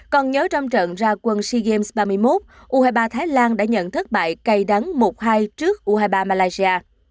còn nhớ trong trận ra quân sea games ba mươi một u hai mươi ba thái lan đã nhận thất bại cay đắng một hai trước u hai mươi ba malaysia